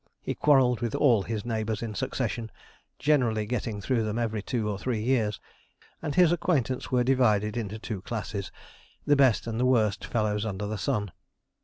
He quarrelled with all his neighbours in succession, generally getting through them every two or three years; and his acquaintance were divided into two classes the best and the worst fellows under the sun.